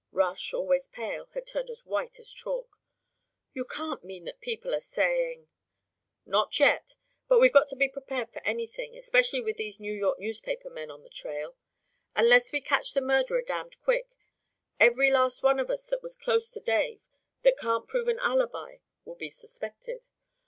Rush, always pale, had turned as white as chalk. "You can't mean that people are saying " "Not yet. But we've got to be prepared for anything, especially with these New York newspapermen on the trail. Unless we catch the murderer damned quick, every last one of us that was close to Dave that can't prove an alibi will be suspected.